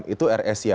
itu air asia